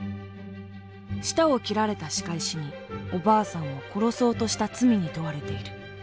舌を切られた仕返しにおばあさんを殺そうとした罪に問われている。